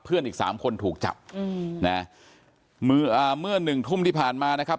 เพื่อนอีกสามคนถูกจับอืมนะฮะเมื่อหนึ่งทุ่มที่ผ่านมานะครับ